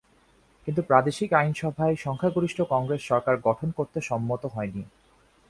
কিন্তু প্রাদেশিক আইনসভায় সংখ্যাগরিষ্ঠ কংগ্রেস সরকার গঠন করতে সম্মত হয়নি।